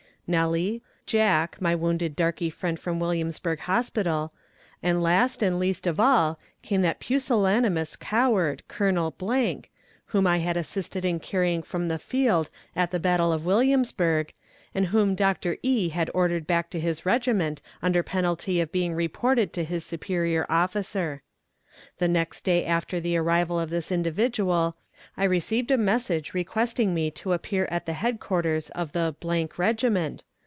Nellie, Jack, my wounded darkie friend from Williamsburg Hospital, and last and least of all came that pusillanimous coward, Colonel , whom I had assisted in carrying from the field at the battle of Williamsburg, and whom Doctor E. had ordered back to his regiment under penalty of being reported to his superior officer. The next day after the arrival of this individual I received a message requesting me to appear at the headquarters of the regiment.